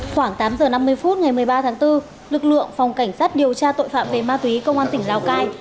khoảng tám h năm mươi phút ngày một mươi ba tháng bốn lực lượng phòng cảnh sát điều tra tội phạm về ma túy công an tỉnh lào cai